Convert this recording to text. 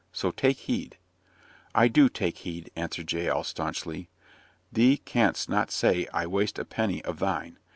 So take heed." "I do take heed," answered Jael, staunchly. "Thee canst not say I waste a penny of thine.